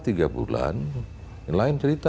tiga bulan lain cerita